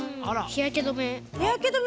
日焼け止め。